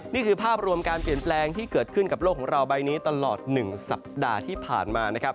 นี่คือภาพรวมการเปลี่ยนแปลงที่เกิดขึ้นกับโลกของเราใบนี้ตลอด๑สัปดาห์ที่ผ่านมานะครับ